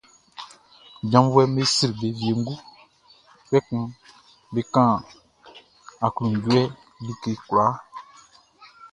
Janvuɛʼm be sri be wiengu, kpɛkun be kan aklunjuɛ like kwlaa.